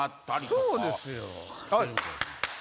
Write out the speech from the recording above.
そうですよ。